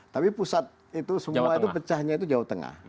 tapi pusat itu semua itu pecahnya itu jawa tengah